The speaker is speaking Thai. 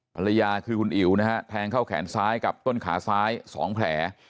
ภรรยาคือคุณอิ๋วนะฮะแทงเข้าแขนซ้ายกับต้นขาซ้าย๒แผล